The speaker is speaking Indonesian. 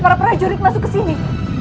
para prajurit masuk kesini